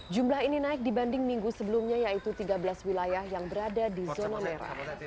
jumlah ini naik dibanding minggu sebelumnya yaitu tiga belas wilayah yang berada di zona merah